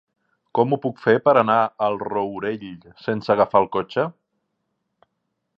Com ho puc fer per anar al Rourell sense agafar el cotxe?